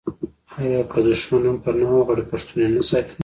آیا که دښمن هم پنا وغواړي پښتون یې نه ساتي؟